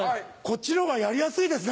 こっちのほうがやりやすいです